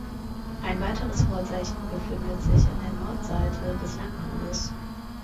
Ein weiteres Vorzeichen befindet sich an der Nordseite des Langhauses.